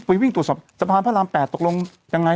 วิ่งตรวจสอบสะพานพระราม๘ตกลงยังไง